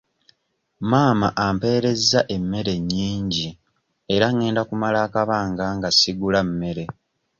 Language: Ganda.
Maama amperezza emmere nnyingi era ngenda kumala akabanga nga sigula mmere.